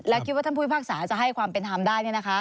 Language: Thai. และคิดว่าท่านภูมิภาคศาลจะให้ความเป็นธรรมได้นี่นะคะ